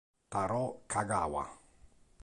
Tarō Kagawa